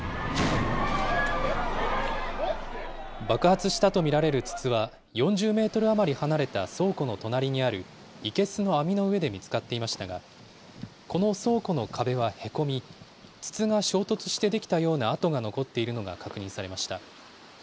爆発したと見られる筒は、４０メートル余り離れた倉庫の隣にある生けすの網の上で見つかっていましたが、この倉庫の壁はへこみ、筒が衝突して出来たような痕が残っているのが確認されました。